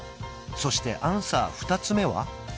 そしてアンサー２つ目は？